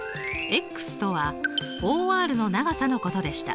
とはＯＲの長さのことでした。